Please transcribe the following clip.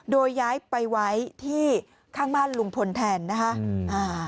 โดยย้ายไปไว้ที่ข้างบ้านลุงพลแทนนะคะอืมอ่า